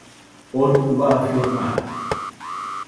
On ho ha afirmat?